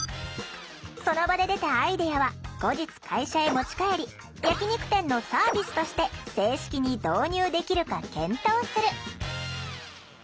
その場で出たアイデアは後日会社へ持ち帰り焼き肉店のサービスとして正式に導入できるか検討する。